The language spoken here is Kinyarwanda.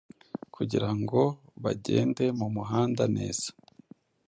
kugira ngo bagende mu muhanda neza